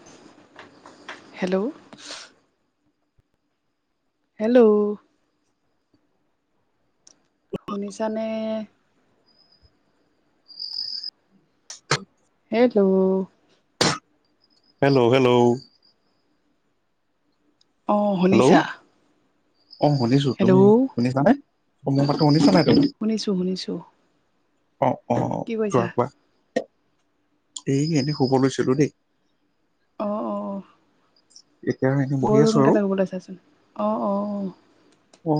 [inaudible] Hello, hello শুনিছানে? [inaudible] Hello hello hello অ hello শুনিছা? অ শুনিছো। তুমি হেল্ল' শুনিছা নে? মোৰ মাতটো শুনিছা নাই তুমি? শুনিছোঁ শুনিছোঁ। অ অ কোৱা কোৱা? এই এনেই শুব লৈছিলো দেই। অ অ এতিয়া এনেই। বৰ সোনকালে শুব লৈছাচোন। অ অ অ অ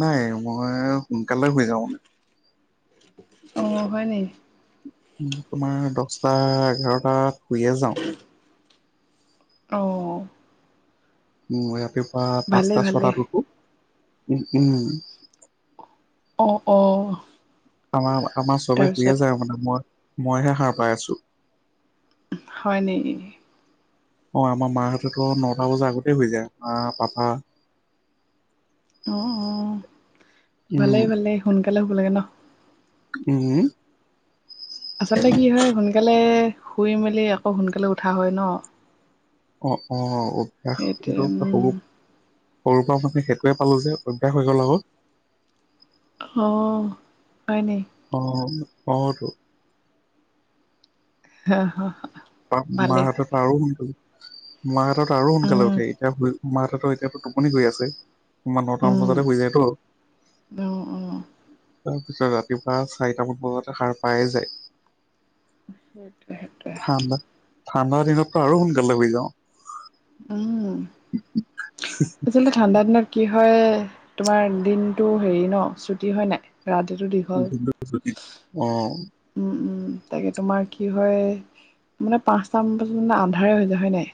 নাই মই সোনকালে শুই যাওঁ। অ হয় নি? তোমাৰ দছটা এঘাৰটাত শুইয়ে যাওঁ। অ। ৰাতিপুৱা ভালে পাঁচটা ভালে ছটাত উঠো। ও ওম অ অ আমাৰ আমাৰ চবে শুয়ে তাৰপিছত যায় আৰু মানে মই মইহে সাৰ পাই আছো। হয় নি। অ আমাৰ মাহঁতেতো নটা বজাৰ আগতেই শুই যায় মা, পাপা। অ অ উম ভালেই ভালেই সোনকালে শুব লাগে ন। উম। আচলতে কি হয় সোনকালে শুই মেলি আকৌ সোনকালে উঠা হয় ন? অ অ অভ্যাস সেইটোৱে এইটো উম সব- সৰুৰ পৰা মানুহ সেইটোৱে পালোঁ যে অভ্যাস হৈ গ'ল আক। অ হয় নি। অ অ তো হা হা মাহতেতো আৰু সোনকালে মাহতেতো আৰু সোনকালে উম, উঠে এতিয়া শুই। মাহঁতৰতো এতিয়াতো টোপনি গৈ আছে। কিমান নটামান উম, বজাতে শুই যায় ত। অ', অ', তাৰপিছত ৰাতিপুৱা চাৰিটামান বজাতে সাৰ পাই যায়। সেইটোৱে সেইটোৱে ঠাণ্ডা ঠাণ্ডা দিনতটো আৰু সোনকালে শুই যাওঁ। উম। [unintelligible] আচলতে ঠাণ্ডা দিনত কি হয় তোমাৰ দিনতটো হেৰি ন চুটি হয় নাই। ৰাতিটো দীঘল। [unintelligible] অ উম উম তাকে তোমাৰ কি হয় মানে পাঁচটা মান বজাত মানে আন্ধাৰে হৈ যায় হয় নাই?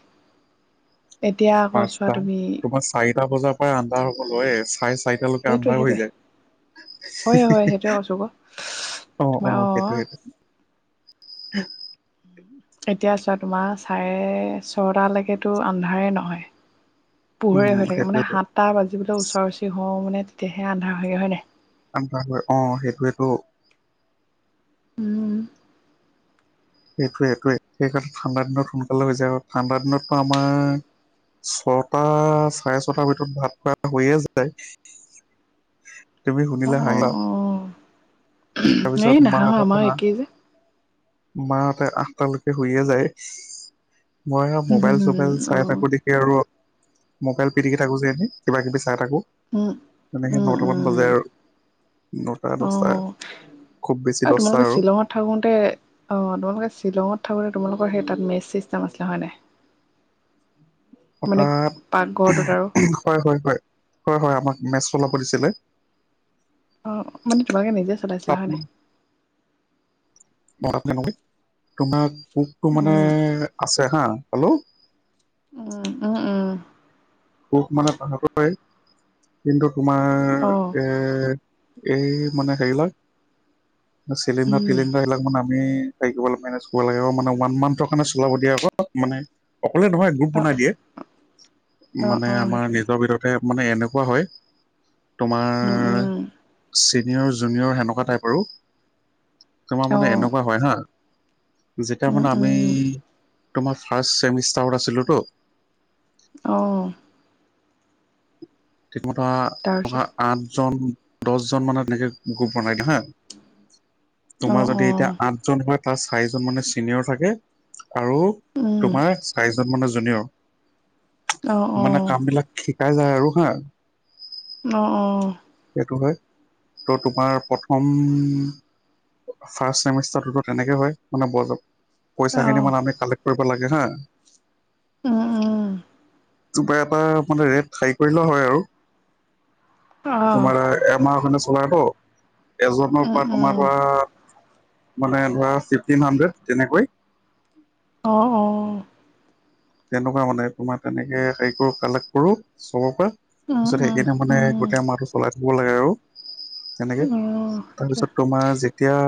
এতিয়া আকৌ চোৱা তুমি। আমাৰ চাৰিটা বজা, আন্ধাৰ হব হয়ে চাৰে চাৰিটালৈকে সেইটোৱে আন্ধাৰ হৈ সেইটোৱে যায়। হয় হয় সেইটোৱে কৈছোঁ ক অ অ সেইটোৱে। এতিয়া চোৱা তোমাৰ চাৰে ছটালৈকেতো আন্ধাৰেই নহয়। পোহৰে উম, হৈ থাকে মানে সেইটোৱেটো সাতটা বাজিবলে ওচৰ ওচৰি হওঁ মানে তেতিয়াহে আন্ধাৰ হয়গে হয় নাই? [unintelligible] অ সেইটোয়েতো উম। এইটোৱে এইটোৱে। সেইকাৰণে ঠাণ্ডা দিনত সোনকালে হৈ যায় আৰু ঠাণ্ডা দিনতো আমাৰ। ছটা চাৰে ছটাৰ ভিতৰত ভাত খোৱা হৈয়ে যায়। তুমি অ', শুনিলে অ', হাঁহিবা। অ', এই তাৰপিছত মা এ, নাহাঁহৰ আমাৰ একেই যে মাহতে আঠটালৈকে শুইয়ে যায়। মই হুম, মোবাইল হুম, হুম, চোবাইল চাই অ', থাকো দেখি, এই আৰু মোবাইল পিটিকি থাকো যে। কিবাকিবি চাই থাকোঁ উম, তেনেকৈ উম, নটামান বাজে উম, আৰু নটা দছটা অ', খুব বেছি দছটা তোমালোকে আৰু শ্বিলঙত থাকোতে অহ তোমালোকে শ্বিলঙত থাকোতে তোমালোকৰ সেই তাত মেচ চিষ্টেম আছিলে হয় নাই। [inaudible] মানে হঠাৎ পাকঘৰটোত আৰু হয় হয় হয় হয় হয় আমাক মেচ চলাব দিছিলে। অ মানে তোমালোকে নিজে চলাইছিলা তাত হয় নাই। [unintelligible] তোমাৰ কুকটো মানে উম, আছে হা হেল্ল', উম উম উম, সুখ মানে পাহৰিব পাৰি কিন্তু অ', তোমাৰ এ, এই মানে হেৰি বিলাক চিলিণ্ডাৰ উম, টিলিণ্ডাৰ এইবিলাক মানে। [unintelligible] মেনেজ লাগে মানে ওৱান মান্থৰ কাৰণে চলাব দিয়ে আকৌ মানে অকলে নহয়। গুৰোপ অ', বনাই দিয়ে। অ', মানে অ', আমাৰ সেইটোৱে নিজৰ ভিতৰতে মানে এনেকুৱা হয়। উম, তোমাৰ, উম, চিনিয়ৰ জুনিয়ৰ সেনেকুৱা টাইপ আৰু তোমাৰ মানে অ', এনেকুৱা হয় হা, যেতিয়া উম, মানে আমি উম, তোমাৰ ফাৰ্ষ্ট ছেমিষ্টাৰত আছিলোতো। অহ, ঠিকমতা পঢ়া তাৰপিছত আঠজন দহজন মানে তেনেকে গ্ৰুপ বনাই দিয়ে হা, তোমাৰ অ', যদি এতিয়া অ', আঠ, জন হয় তাৰ চাৰিজন মানে চিনিয়ৰ থাকে আৰু উম, তোমাৰ, চাৰিজন মানে জুনিয়ৰ অ', মানে অ', কাম বিলাক শিকাই যায় আৰু হা, অ অ, সেইটো হয় ত' তোমাৰ প্ৰথম, ফাৰ্ষ্ট চেমিষ্টাৰতো তেনেকে হয় মানে বজ অ', পইচাখিনি অ', মানে আমি কালেক্ট কৰিব লাগে হা, উম উম, কিবা এটা মানে ৰেট হাই কৰি লে হয় আৰু আহ তোমাৰ এমাহকাৰণে চলাই তো এজনৰ উম পৰা তোমাৰ উম পৰা, মানে ধৰা ফিফটিন সান্দেত তেনেকৈ। অ অ, তেনেকুৱা মানে তোমাৰ তেনেকে হেৰি কৰো কালেক্ট কৰো চবৰ পৰা। উম তাৰপিছতে উম সেইখিনিয়ে মানে উম গোটেই মাহটো চলাই থাকিব লাগে আৰু তেনেকৈ তাৰপিছত তোমাৰ যেতিয়া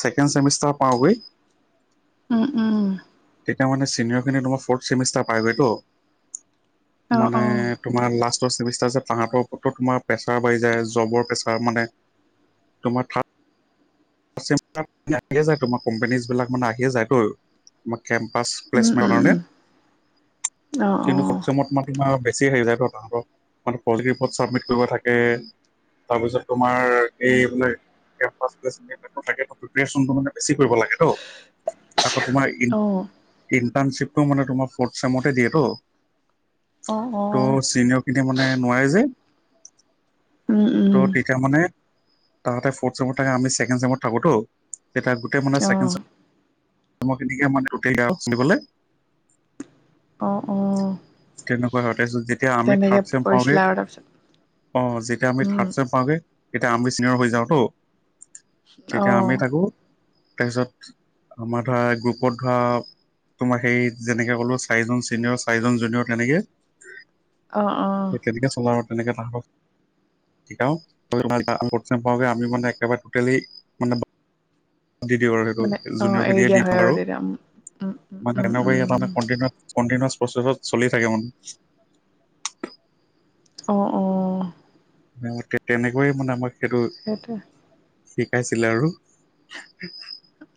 ছেকেণ্ড চেমিষ্টাৰ পাওঁগৈ। উম উম। তেতিয়া মানে ছিনিয়ৰ খিনিয়ে তোমাৰ ফ'ৰ্ট ছেমিষ্টাৰ পাইগৈতো মানে, আহ সেইটোৱে তোমাৰ লাষ্টৰ ছেমিষ্টাৰ যে তাহাতৰ ক'ত তোমাৰ প্ৰেছাৰ বাঢ়ি যায় জবৰ প্ৰেছাৰ মানে। তোমাৰ থা স [unintelligible] তোমাৰ কোম্পনীজ বিলাক মানে আহিয়ে যায় তো তোমাৰ কেম্পাছ। উম প্লেচমেণ্টৰ উম কাৰণে অ অ উম উম অ অ কিন্তু ফ'ৰ্থ চেমত তোমাক তোমাৰ অলপ বেছি হেৰি যায়তো তাহঁতৰ মানে প্ৰজেক্টত ৰিপৰ্ড চাবমিট কৰিব থাকে। তাৰপিছত তোমাৰ এই মানে কেম্পাছ প্লেচমেণ্ট তাকেটো প্ৰিপেৰেচন মানে বেছি কৰিব লাগেতো। আকৌ তোমাৰ অ ইণ্টাৰণশ্বিপটো মানে তোমাৰ ফৰ্থ চেমতে দিয়েতো। অ অ ত' চিনিয়ৰখিনিয়ে মানে নোৱাৰে যে। উম উম ত' তেতিয়া মানে তাহাতে ফৰ্থ চছেমত থাকে আমি ছেকেণ্ড চেমত। থাকোতো গোটেই মানে অ ছেকেণ্ড চেমৰ খিনিকে মানে গোটেই আৰু চলিবলে। অ'-অ' তেনেকুৱা হয় তাৰপিছত যেতিয়া আমি তেনেকে থাৰ্ড চেম কৰিছিলা পাওঁগৈ আৰু তাৰপিছত অ' যেতিয়া আমি উম থাৰ্ড চেম পাওঁগৈ তেতিয়া আমি চিনিয়ৰ হৈ যাওঁতো অ তেতিয়া আমি থাকোঁ তাৰপিছত আমাৰ তাৰে গ্ৰুপত ধৰা তোমাৰ সেই যেনেকে ক'লো চাৰিজন চিনিয়ৰ, চাৰিজন জুনিয়ৰ অ অ কেনেকে-কেনেকে চলা আৰু তেনেকে থাকক [unintelligible] আমি মানে একেবাৰে টেকেলি মানে [inaudible] দি দিওঁ আৰু সেইটো মানে অ জুনিয়ৰ এৰি খিনিকে দিয়া দি হয় দিওঁ আৰু তেতিয়া উম উম মানে উম তেনেকুৱা উম কৰি [unintelligible] ইচপণ্টেনোৱাচ প্ৰচেছত চলি থাকে মানে অ'-অ' তেনেকৈয়ে মানে আমাৰ সেইটো সেইটোৱে শিকাইছিলে আৰু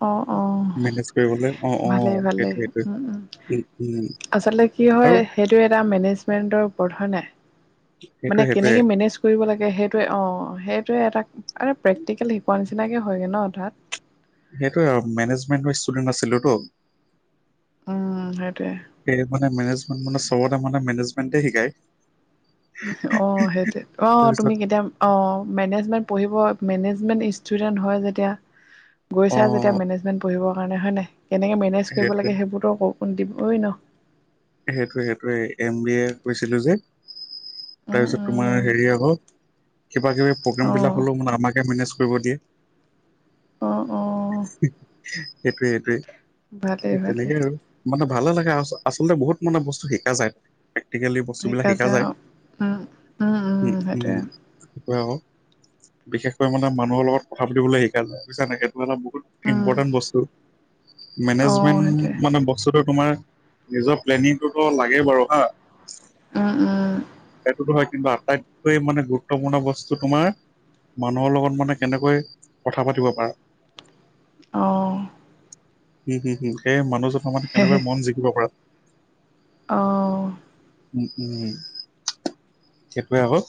অ'-অ', মেনেজ কৰিবলৈ অ অ ভালেই-ভালেই সেইটোৱে সেইটোৱে উম-উম। উম উম আচলতে কি হয় আৰু সেইটো এটা মেনেজমেণ্টৰ ওপৰত হয় নাই সেইটোৱে মানে সেইটোৱে কেনেকৈ মেনেজ কৰিব লাগে সেইটোৱে অ' সেইটোৱে এটা আৰে প্ৰেক্টিকেল শিকোৱা নিচিনাকে হয়গৈ ন' তাত সেইটোৱে আৰু মেনেজমেন্টৰ ষ্টুডেন্ট আছিলোঁ টো উম, সেইটোৱে। সেয়ে মানে মেনেজমেণ্ট মানে চবতে মানে মেনেজমেণ্টে শিকায়। অ', সেইটোৱে অ' তাৰপিছত তুমি কেতিয়া অ' মেনেজমেণ্ট পঢ়িব মেনেজমেণ্ট ষ্টুডেণ্ট হয় যেতিয়া অ গৈছা যেতিয়া মেনেজমেণ্ট পঢ়িবৰ কাৰণে হয় নাই কেনেকে মেনেজ কৰিব সেইটোৱে লাগে সেইবোৰতো [unintelligible] দিব ন' সেইটোৱে-সেইটোৱে এম বি এ কৈছিলোঁ যে উম তাৰ পিছত তোমাৰ উম হেৰি আকৌ কিবা কিবি অ প্ৰগ্ৰেমবিলাক হ'লেও মানে আমাকে মেনেজ কৰিব দিয়ে। অ অ সেইটোৱে-সেইটোৱে ভালেই সেই ভালেই তেনেকে আৰু মানে ভালে লাগে আচলতে বহুত মানে বস্তু শিকা যায়। প্ৰেক্টিকেলি বস্তুবিলাক শিকা যায়, উম উম উম উম-উম সেইটোৱে সেইটোৱে আকৌ বিশেষকৈ মানে মানুহৰ লগত কথা পাতিবলৈ শিকা যায় বুজিছা নাই ক মই এটা বহুত উম ইম্পৰ্টেন্ট বস্তু অ সেইটোৱে মেনেজমেন্ট মানে পাছতো তোমাৰ নিজৰ প্লেনিংটোতো লাগেই বাৰু হা অ'-অ' সেইটোতো হয় কিন্তু আটাইতকৈ মানে গুৰুত্বপূৰ্ণ বস্তু তোমাৰ মানুহৰ লগত মানে কেনেকৈ কথা পাতিব পাৰা। অ', উম-উম-উম সেই মানুহজনৰ মন কেনেকৈ মন জিকিব পাৰা। অ', উম- উম, সেইটোৱে আকৌ।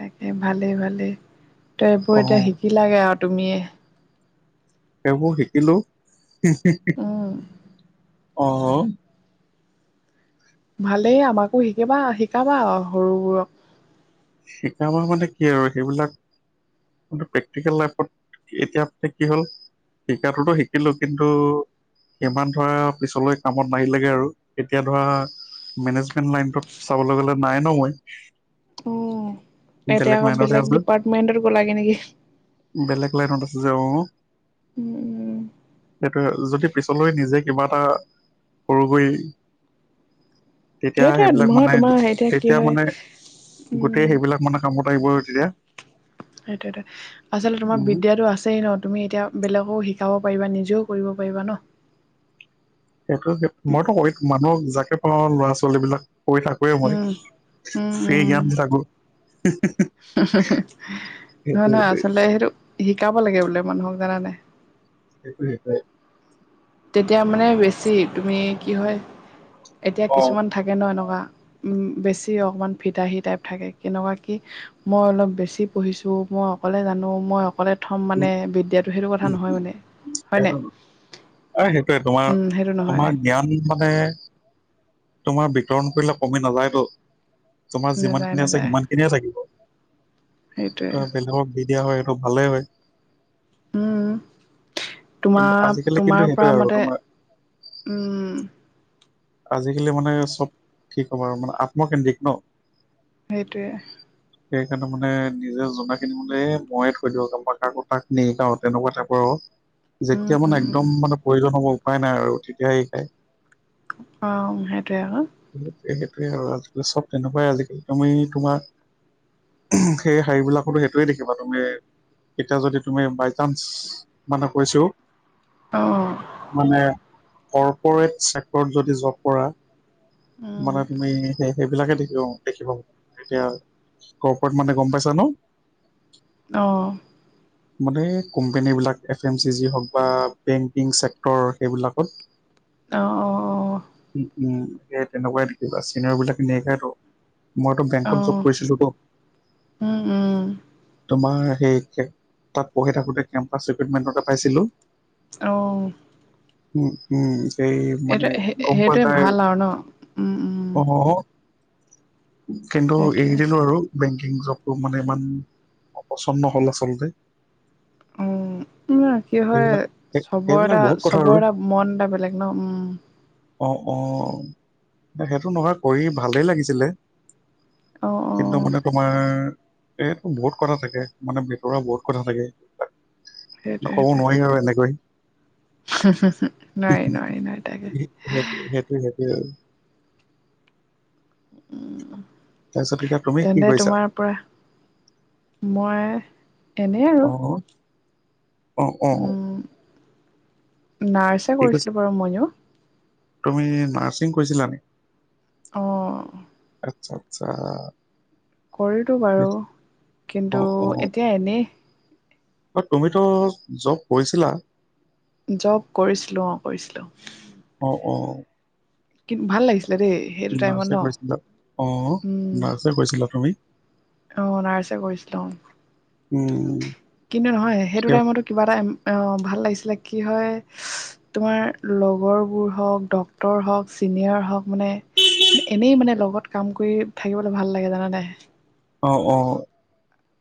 তাকে ভালেই-ভালেই ত' অ এইবোৰ এতিয়া শিকি লাগে আৰু তুমিয়ে সেইবোৰ শিকিলোঁ। হে- হে- হে উম অ' ভালেই আমাকো শিকিবা- শিকাবা আৰু সৰুবোৰক। শিকাবা মানে কি আৰু সেইবিলাক প্ৰেক্টিকেল লাইফত এতিয়া প্ৰেক্টিকল শিকাতোতো শিকিলো কিন্তু ইমান ধৰা পিছলৈ কামত নাহিলে গৈ আৰু এতিয়া ধৰা মেনেজমেন্ট লাইনতত চাবলৈ গ'লে নাই ন মই। উম এতিয়া আকৌ লাইনতহে বেলেগ আছো ডিপাৰ্টমেণ্টত গ'লাগে নেকি। বেলেগ লাইনত আছে যে অহ, উম, সেইটোৱে যদি পিছলৈ নিজে কিবা এটা সৰুকৈ সেইটোৱে নহয় মানে তোমাৰ এতিয়া তেতিয়া কি হয় মানে গোটেই উম সেইবিলাক মানে কামত আহিব দিয়ে। সেইটো-সেইটো আচলতে তোমাৰ বিদ্যাটো আছেই ন তুমি এতিয়া বেলেগো শিকাব পাৰিবা নিজেও কৰিব পাৰিবা ন? সেইটো মইতো মানুহক যাকে পাও ল'ৰা ছোৱালী বিলাক কৰি থাক কও মই উম উম সেই জ্ঞান দি থাকো। হা - হা - হা নহয় - সেইটোৱে নহয় সেইটোৱে আচলতে সেইটো শিকাব লাগে বোলে মানুহক জানান নাই? সেইটোৱে - সেইটোৱে। তেতিয়া মানে বেছি তুমি কি হয় এতিয়া অ কিছুমান থাকে ন এনেকুৱা বেছি অকণমান ফিতাহী টাইপ থাকে কেনেকুৱা কি মই অলপ বেছি পঢ়িছো, মই অকলে জানো, মই অকলে প্ৰথম উম মানে বিদ্যাটো সেইটো কথা উম নহয় মানে, হয়নে? আৰু সেইটোৱে তোমাৰ উম সেইটো নহয় তোমাৰ জ্ঞান মানে তোমাৰ বিতৰণ কৰিলে কমি নাযায়তো, তোমাৰ যিমান নাযায় খিনি আছে নাযায় সিমান এনেই থাকিব সেইটোৱে ত বেলেগক বি দিয়া হয় সেইটো ভালেই হয়। উম কিন্তু তোমাৰ আজিকালি কিন্তু তোমাৰ পৰা সেইটোয়ে আৰু মতে তোমাৰ ওম আজিকালি মানে চব ঠিক হ'ব আৰু মানে আত্মকেন্দ্ৰিক ন? সেইটোৱে। সেইকাৰণে মানে নিজে জনা খিনি মানে ময়ে থৈ দিও, কাৰোব কাকো তাক নিসিকাও তেনেকুৱা টাইপৰ আৰু। যেতিয়া মানে একদম মানে প্ৰয়োজন হ'ব উপায় নাই আৰু তেতিয়া সে সিকাই। অ, সেইটয়ে আৰু। সেইোৱে-সেইটোৱে আৰু আজিকালি চব তেনেকুৱাই আজিকালি তুমি তোমাৰ সেই শাৰি বিলাকতো সেইটোৱে দেখিবা তুমি এতিয়া যদি তুমি বাইচান্স মানে কৈছো অঁ মানে কৰ্পৰেট ছেক্টৰত যদি জব কৰা। মানে তুমি সেই সেইবিলাকে দেখিব দেখিব প এতিয়া ক'পৰত মানে গম পাইছা ন? অ', মানে কোম্পেনী বিলাক এফ এম চি যি হওক বা বেংকিং চেক্টৰ সেইবিলাকত অ', অ', অ', উম - উম সেই তেনেকুৱাই কিবা চিনে বিলাক তেনেকাই'ত। মইতটো বেংকত অঁ জব কৰিছিলো তো অঁ তোমাৰ সেই তাত পঢ়ি থাকোতে কেম্পাছ ৰিক্ৰুইটমেণ্ট এটা পাইছিলো। অ', উম-উম সেই এইটো মানে গমপা সেইটোৱে যায আৰু। ভাল ন উম উম অ, কিন্তু এৰি সেইটোৱে দিলো আৰু। বেংকিং জবটো মানে ইমান পচন্দ নহ'ল আচলতে। উম, কি হয় এইবিলাক এ চবৰ এইবিলাক এটা বহুত - কথা আৰু চবৰ এটা মন এটা বেলেগ ন? উম, অ', অ', সেইটো নহয় কৰি ভালেই লাগিছিলে। অ', অ', কিন্তু মানে তোমাৰ এ বহুত কথা থাকে মানে ভিতৰুৱা বহুত কথা থাকে। ক'ব নোৱাৰি আৰু এনেকৈ সেইটোৱে-সেইটোৱে, [unintelligible] নোৱাৰি-নোৱাৰি-নোৱাৰি তাকে। সেইটো-সেইটো-সেইটোয়ে। তাৰপিছত এতিয়া তুমি কি তেন্তে কৰিছা তোমাৰ পৰা মই এনে আৰু অ', অ', অ', উম নাৰ্ছে কি কৈছা কৰিছিলোঁ বাৰু মইয়ো। তুমি নাৰ্ছিং কৰিছিলা নি? অ'। আচ্ছা-আচ্ছা। কৰিতো বাৰু, অ কিন্তু অ এতিয়া এনেই তুমিতো জব কৰিছিলা? জব কৰিছিলোঁ অ', কৰিছিলোঁ। অ', অ'। কিন্তু ভাল লাগিছিলে দেই। সেইটো টাইমত ন নাৰ্চ কৈছিলা? অ', নাৰ্ছে কৈছিলা তুমি? অ', নাৰ্চ এ কৰিছিলোঁ অ'। উম। কিন্তু নহয়, সেইটো কিয় টাইমতো কিবা এটা ভাল লাগিছিলে, কি হয় তোমাৰ লগৰবোৰ হওঁক, ডক্তৰ হওঁক, চিনিয়ৰ হওঁক মানে এনেই মানে লগত কাম কৰি থাকিবলৈ ভাল লাগে, জানা নাই? অ', অ'।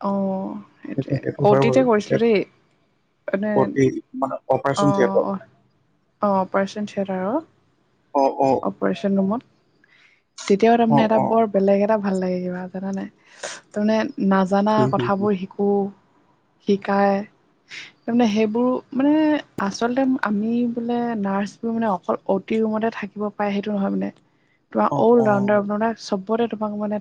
অ', সেইটো সেইটোৱেই, সেইটো হয় বাৰু অতিটো কৰিছিলোঁ দেই। এানে অ', ফৰ্টি মানে অপাৰেচন থিয়েটাৰ অ', অ', অপাৰ্চন থিয়েটাৰ অ'। অ', অ'। অপাৰেশ্যন ৰুমত। তেতিয়া ও অ তাৰমানে এটা অ বৰ বেলেগ এটা ভাল লাগে কিবা জানা নাই? তাৰমানে নাজানা হু হু হু। কথাবোৰ শিকোঁ। শিকায়। তাৰমানে সেইবোৰ মানে আচলতে আমি বোলে নাৰ্চ বোৰ মানে অকল অতি ৰুমতে থাকিব পায় সেইটো নহয় মানে। তোমাৰ অ অল অ ৰাউণ্ডাৰ মানে চবতে তোমাক মানে